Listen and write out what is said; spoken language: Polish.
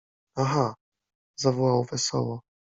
— Aha! — zawołał wesoło.